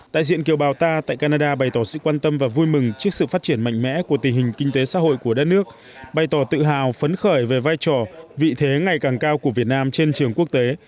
đại diện kiều bào ta tại canada bày tỏ sự quan tâm và vui mừng trước sự phát triển mạnh mẽ của tình hình kinh tế xã hội của đất nước bày tỏ tự hào phấn khởi về vai trò vị thế ngày càng cao của việt nam trên trường quốc tế